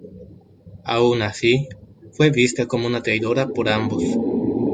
Aun así, fue vista como una traidora por ambos.